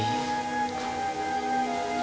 sampai jumpa lagi